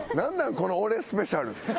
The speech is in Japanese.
この俺スペシャル。